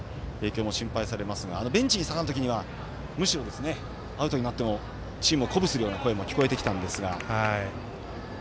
影響も心配されますがベンチに下がるときには、むしろアウトになってもチームを鼓舞するような声も聞こえてきたんですが。